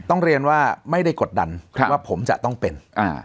ต้องเรียนว่าไม่ได้กดดันว่าผมจะต้องเป็น